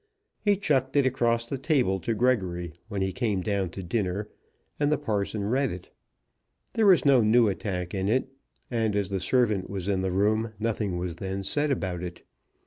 He chucked it across the table to Gregory when he came down to dinner, and the parson read it. There was no new attack in it; and as the servant was in the room, nothing was then said about it.